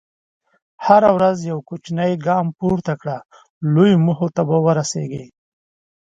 هره ورځ یو کوچنی ګام پورته کړه، لویو موخو ته به ورسېږې.